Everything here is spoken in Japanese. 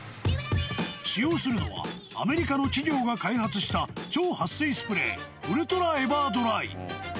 使用するのは、アメリカの企業が開発した超撥水スプレー、ウルトラエバードライ。